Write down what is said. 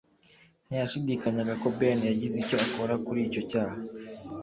Ntiyashidikanyaga ko Ben yagize icyo akora kuri icyo cyaha.